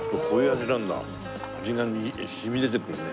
味が染み出てくるね。